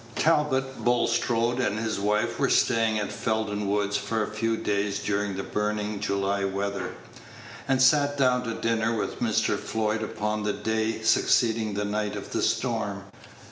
Talbot Bulstrode and his wife were staying at Felden Woods for a few days during the burning July weather, and sat down to dinner with Mr. Floyd upon the day succeeding the night of the storm.